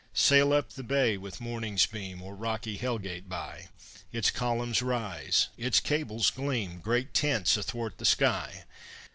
Sail up the Bay with morning's beam, Or rocky Hellgate by, Its columns rise, its cables gleam, Great tents athwart the sky!